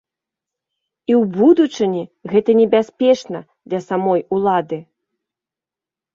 І ў будучыні гэта небяспечна для самой улады.